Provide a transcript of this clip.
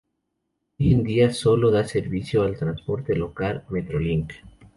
Hoy en día, sólo da servicio al transporte local: Metrolink.